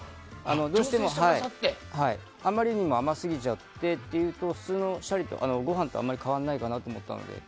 どうしても、あまりにも甘すぎちゃってとなると普通のご飯と、あまり変わらないかなと思ったので。